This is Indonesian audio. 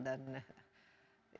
dan juga berkata kata